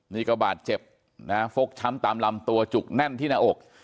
นี่ก็บาดเจ็บนะฮะฟกช้ำตามลำตัวจุกแน่นที่หน้าอก